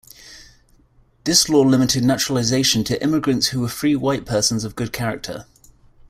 This law limited naturalization to immigrants who were free white persons of good character.